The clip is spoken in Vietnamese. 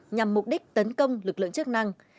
nhằm mục đích tấn công lực lượng chức năng